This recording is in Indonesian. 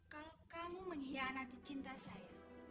kalau kamu mengkhianati cinta saya